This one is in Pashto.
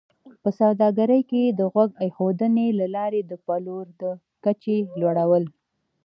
په سوداګرۍ کې د غوږ ایښودنې له لارې د پلور د کچې لوړول